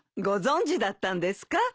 ご存じだったんですか？